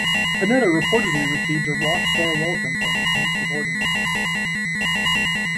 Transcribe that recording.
Panetta reportedly received a "rock star welcome" from his new subordinates.